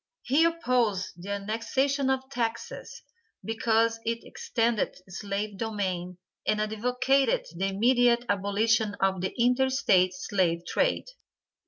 He opposed the annexation of Texas, because it extended slave domain and advocated the immediate abolition of the inter state slave trade.